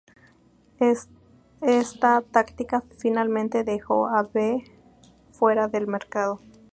Esta táctica finalmente dejó a Be fuera del mercado.